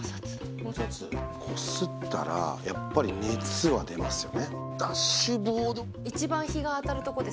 こすったらやっぱり熱は出ますよね。